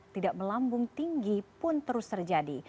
tidak melambung tinggi pun terus terjadi